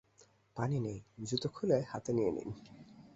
পানি নেই, জুতো খুলে হাতে নিয়ে নিন।